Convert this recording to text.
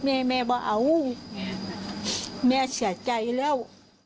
แม่แม่ไหมเอาแม่เศษใจแล้ว